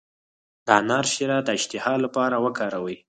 د انار شیره د اشتها لپاره وکاروئ